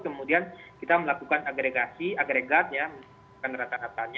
kemudian kita melakukan agregasi agregat